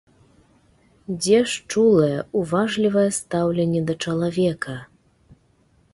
Дзе ж чулае, уважлівае стаўленне да чалавека?